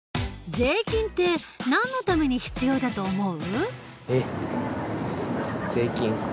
税金ってなんのために必要だと思う？